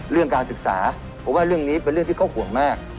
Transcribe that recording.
เรื่องการศึกษาเพราะว่าเรื่องนี้เป็นเรื่องที่เขาห่วงมาก